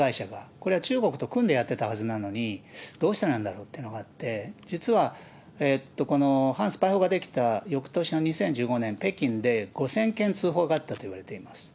これは中国と組んでやってたはずなのに、どうしてなんだろうというのがあって、実は、反スパイ法が出来たよくとしの２０１５年、北京で５０００件通報があったといわれています。